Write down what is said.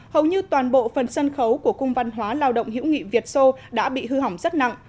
hầu như toàn bộ phần sân khấu của cung văn hóa lao động hiệu nghị việt sô đã bị hư hỏng rất nặng